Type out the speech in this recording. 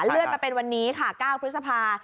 เลื่อนมาเป็นวันนี้ค่ะ๙พฤษภา